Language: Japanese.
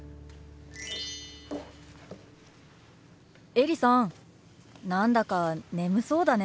エリさん何だか眠そうだね。